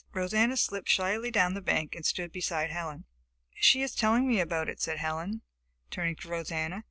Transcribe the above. Rosanna slipped shyly down the bank and stood beside Helen. "She is telling me about it," said Helen, turning to Rosanna.